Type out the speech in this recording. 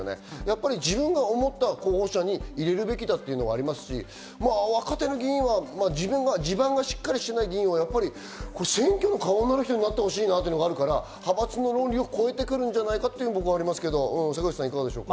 自分が思った人に入れるべきだと思いますし、若手議員は地盤がしっかりしない議員は選挙の顔になる人になってほしいっていうのがあるから、派閥の論理を超えてくるんじゃないかと思いますが、坂口さん、いかがですか？